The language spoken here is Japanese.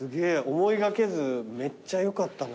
思いがけずめっちゃよかったな。